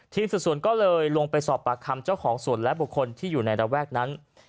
สุดส่วนก็เลยลงไปสอบปากคำเจ้าของสวนและบุคคลที่อยู่ในระแวกนั้น